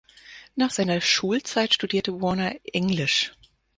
Nach seiner Schulzeit studierte Warner Englisch.